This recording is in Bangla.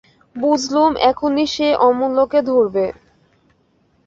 বুঝলুম এখনই সে অমূল্যকে ধরবে।